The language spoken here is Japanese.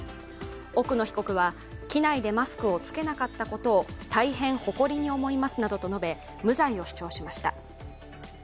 奥野被告は機内でマスクを着けなかったことを大変誇りに思いますなどと述べ無罪を主張しました。